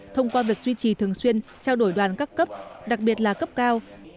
thông qua việc duy trì thường xuyên trao đổi đoàn các cấp đặc biệt là cấp cao